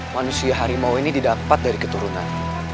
manusia harimau ini didapat dari keturunan